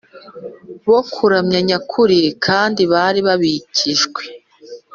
bo kuramya nyakuri kandi bari babikijwe